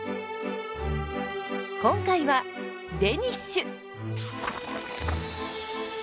今回はデニッシュ！